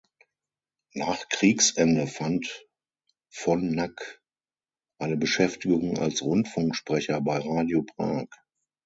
Nach Kriegsende fand von Nack eine Beschäftigung als Rundfunksprecher bei Radio Prag.